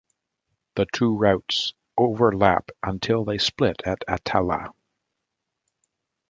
The two routes overlap until they split at Attalla.